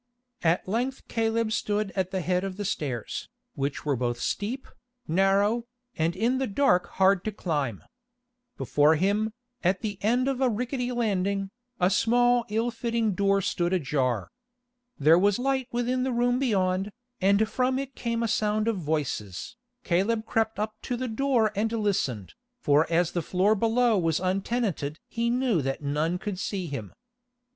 At length Caleb stood at the head of the stairs, which were both steep, narrow, and in the dark hard to climb. Before him, at the end of a rickety landing, a small ill fitting door stood ajar. There was light within the room beyond, and from it came a sound of voices. Caleb crept up to the door and listened, for as the floor below was untenanted he knew that none could see him.